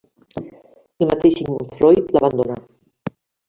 El mateix Sigmund Freud l'abandonà.